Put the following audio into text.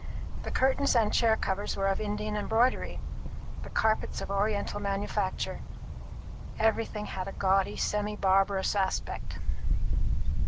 The curtains and chair covers were of Indian embroidery; the carpets of oriental manufacture. Everything had a gaudy semi barbarous aspect.